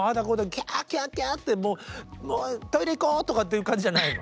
キャーキャーキャーってもうもう「トイレ行こう」とかっていう感じじゃないの？